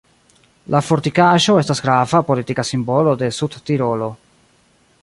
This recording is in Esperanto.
La fortikaĵo estas grava politika simbolo en Sudtirolo.